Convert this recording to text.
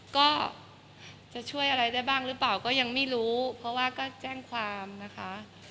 ก็จะช่วยอะไรได้บ้างหรือเปล่าก็ยังไม่รู้เพราะว่าก็แจ้งความนะคะ